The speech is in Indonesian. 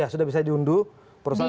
sudah bisa diunduh sekarang